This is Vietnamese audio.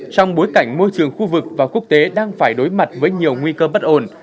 trong bối cảnh môi trường khu vực và quốc tế đang phải đối mặt với nhiều nguy cơ bất ổn